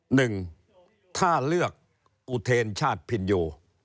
หนึ่งถ้าเลือกอุเทรนชาติพินโย